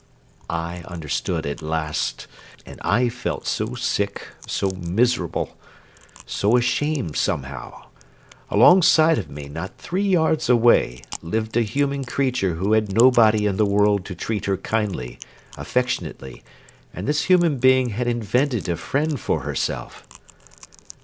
I understood at last. And I felt so sick, so miserable, so ashamed, somehow. Alongside of me, not three yards away, lived a human creature who had nobody in the world to treat her kindly, affectionately, and this human being had invented a friend for herself!